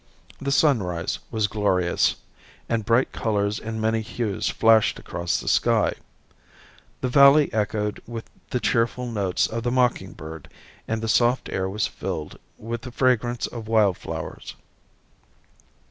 The sunrise was glorious, and bright colors in many hues flashed across the sky. The valley echoed with the cheerful notes of the mocking bird and the soft air was filled with the fragrance of wild flowers.